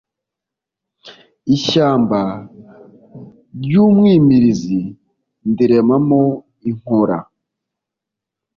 ishyamba ry'umwimirizi ndiremamo inkora.